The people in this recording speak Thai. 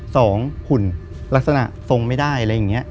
หุ่นลักษณะทรงไม่ได้อะไรอย่างนี้